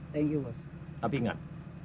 terima kasih bos